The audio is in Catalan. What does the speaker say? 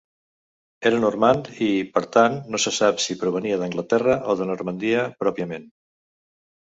Era normand i, per tant, no se sap si provenia d'Anglaterra o de Normandia pròpiament.